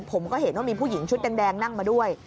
ผมก็เห็นว่ามีผู้หญิงชุดแดงนั่งมาด้วย